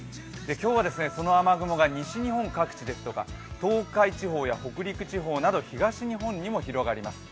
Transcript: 今日はこの雨雲が西日本各地ですとか東海地方や北陸地方など東日本にも広がります。